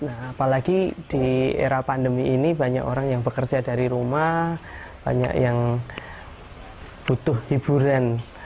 apalagi di era pandemi ini banyak orang yang bekerja dari rumah banyak yang butuh hiburan